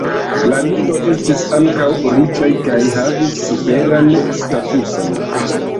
La "Mino" estis ankaŭ riĉaj kaj havis superan statuson.